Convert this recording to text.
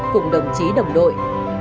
cùng đồng chí đồng đội